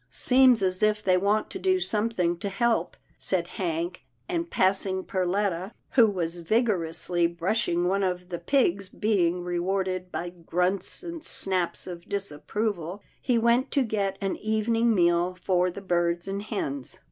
" Seems as if they want to do something to help," said Hank, and passing Perletta, who was vigorously brushing one of the pigs, being re warded by grunts and snaps of disapproval, he went to get an evening meal for the birds and hens.